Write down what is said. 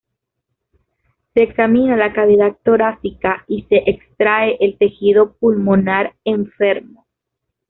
Se examina la cavidad torácica y se extrae el tejido pulmonar enfermo.